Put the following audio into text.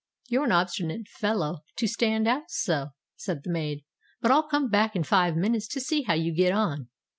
"You're an obstinate fellow to stand out so," said the maid. "But I'll come back in five minutes and see how you get on."